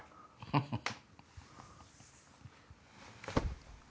フフフ。